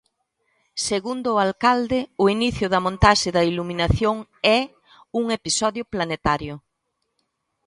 Segundo o alcalde, o inicio da montaxe da iluminación é "un episodio planetario".